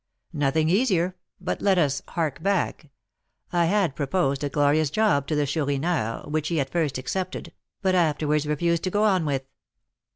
"Nothing easier; but let us 'hark back.' I had proposed a glorious job to the Chourineur, which he at first accepted, but afterwards refused to go on with."